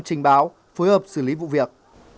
trình báo phối hợp xử lý vụ việc